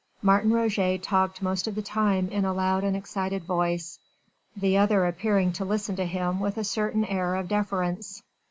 Martin Roget talked most of the time in a loud and excited voice, the other appearing to listen to him with a certain air of deference.